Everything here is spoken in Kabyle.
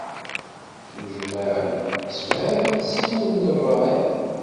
Nejmaɛen, msefhamen s yiwen n ṛṛay.